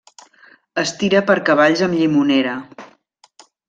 Es tira per cavalls amb llimonera.